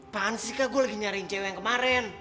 apaan sih kak gue lagi nyariin cewek yang kemarin